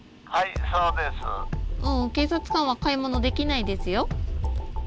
うん警察官は買い物できないですよ？